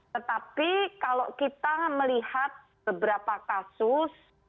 tetapi kalau kita melihat beberapa kasus